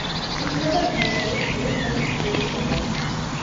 ითვლება გალერეის ერთ-ერთ ფუძემდებლად.